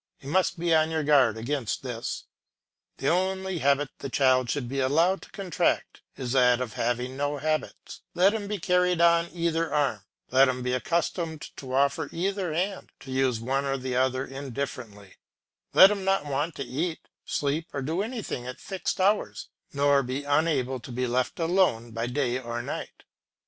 You must be on your guard against this. The only habit the child should be allowed to contract is that of having no habits; let him be carried on either arm, let him be accustomed to offer either hand, to use one or other indifferently; let him not want to eat, sleep, or do anything at fixed hours, nor be unable to be left alone by day or night.